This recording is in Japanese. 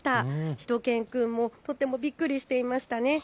しゅと犬くんもとってもびっくりしていましたね。